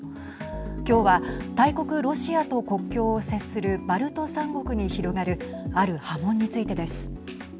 今日は大国ロシアと国境を接するバルト３国に広がるある波紋についてです。